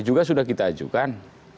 juga sudah kita ajukan